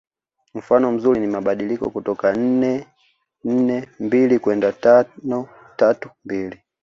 Mfano mzuri ni mabadiliko kutoka nne nne mbili kwenda tano tatu mbili